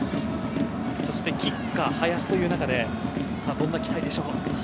キッカー、林という中でどんな期待でしょう？